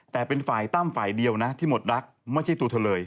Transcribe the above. แต่เป็นฝ่ายตั้มฝ่ายเดียวนะที่หมดรักไม่ใช่ตัวเธอเลย